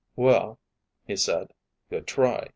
"Well," he said. "Good try.